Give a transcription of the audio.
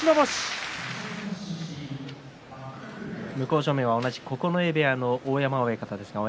向正面は同じ九重部屋の大山親方です。